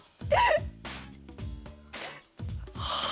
はあ！